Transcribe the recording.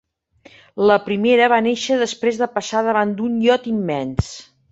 La primera va néixer després de passar davant d’un iot immens.